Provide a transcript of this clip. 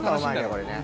これね。